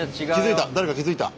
誰か気付いた！